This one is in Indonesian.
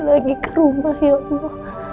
kembali ke rumah saya